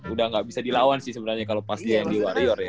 udah gak bisa dilawan sih sebenernya kalo pas dia yang di warriors ya